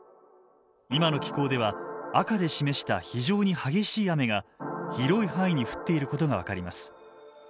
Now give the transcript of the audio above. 今の気候では赤で示した非常に激しい雨が広い範囲に降っていることが分かります。